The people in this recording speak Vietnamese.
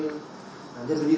với những đối tượng vui giới